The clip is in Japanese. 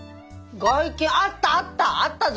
「外見」あったあったあったぞ。